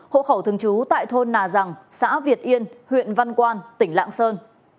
hộ khẩu thường trú tại thôn nà rằng xã việt yên huyện văn quan tỉnh lạng sơn